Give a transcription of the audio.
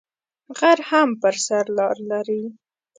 غر هم پر سر لار لری